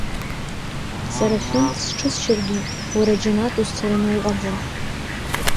Сара шәынтә сҽысшьыргьы, уара џьанаҭ узцараны уҟаӡам.